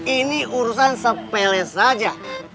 ini urusan sepele saja